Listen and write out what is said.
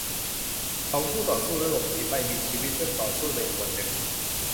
เขาผู้ต่อสู้และหลบหนีไป มีชีวิตเพื่อต่อสู้ในอีกวันหนึ่ง